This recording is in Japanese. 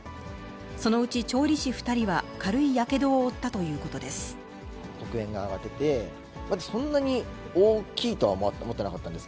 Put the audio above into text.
そのうち調理師２人は軽いやけどを負ったということです。